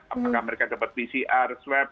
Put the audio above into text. apakah mereka dapat pcr swab